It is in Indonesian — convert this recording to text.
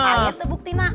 apa itu bukti mak